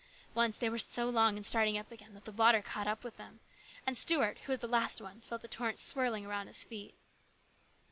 Once they were so long in starting up again that the water caught up with them, and Stuart, who was the last one, felt the torrent swirling around his feet.